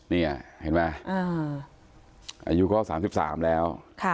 นี่เห็นไหมอายุก็๓๓แล้ว